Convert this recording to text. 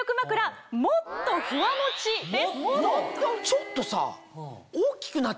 ちょっとさ。